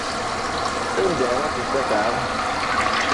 Anda ara tent-afeɣ?